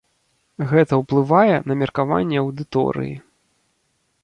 Гэта ўплывае на меркаванне аўдыторыі.